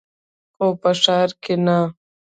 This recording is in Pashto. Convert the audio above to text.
خو په ښار کښې نه.